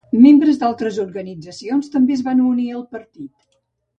Membres d'altres organitzacions també es van unir al partit.